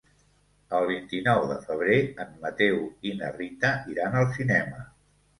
El vint-i-nou de febrer en Mateu i na Rita iran al cinema.